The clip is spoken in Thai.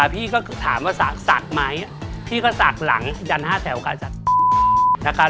พี่ก็ถามว่าศากศักดิ์ไหมพี่ก็ศักดิ์หลังยัน๕แถวกับอาจารย์